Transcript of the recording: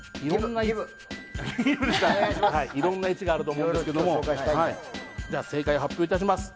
いろんな１があると思うんですけど正解発表いたします。